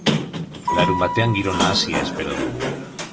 Larunbatean, giro nahasia espero dugu.